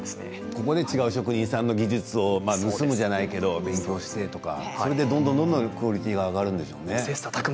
ここで違う職人さんの技術を盗むじゃないけど勉強してどんどんクオリティーが上がるんでしょうね。